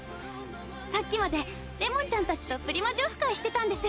さっきまでれもんちゃんたちとプリマジオフ会してたんです。